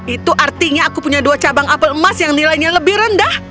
itu artinya aku punya dua cabang apel emas yang nilainya lebih rendah